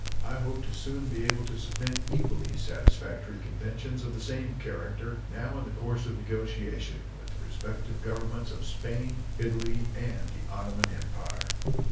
I hope soon to be able to submit equally satisfactory conventions of the same character now in the course of negotiation with the respective Governments of Spain, Italy, and the Ottoman Empire.